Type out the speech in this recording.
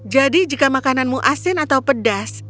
jika makananmu asin atau pedas